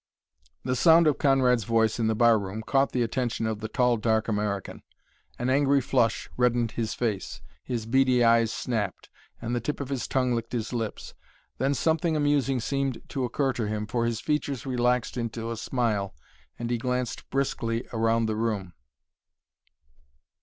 The sound of Conrad's voice in the bar room caught the attention of the tall, dark American. An angry flush reddened his face, his beady eyes snapped, and the tip of his tongue licked his lips. Then something amusing seemed to occur to him, for his features relaxed into a smile and he glanced briskly around the room.